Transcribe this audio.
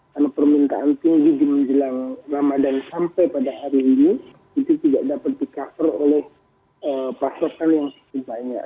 karena permintaan tinggi di menjelang ramadhan sampai pada hari ini itu tidak dapat di cover oleh pasokan yang banyak